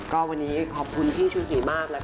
ก็วันนี้ขอบคุณพี่ชูสีมาก